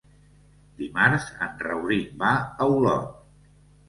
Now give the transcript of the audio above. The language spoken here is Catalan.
Dimarts en Rauric va a Olot.